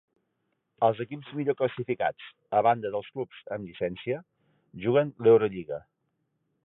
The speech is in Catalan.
Els equips millor classificats, a banda dels clubs amb llicència, juguen l'Eurolliga.